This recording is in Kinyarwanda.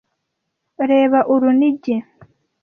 Reba urunigi.